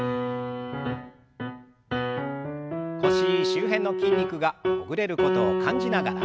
腰周辺の筋肉がほぐれることを感じながら。